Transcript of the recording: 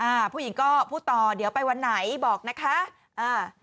อ่าผู้หญิงก็พูดต่อเดี๋ยวไปวันไหนบอกนะคะอ่า